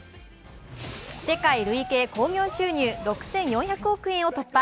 世界累計興行収入６４００億円を突破。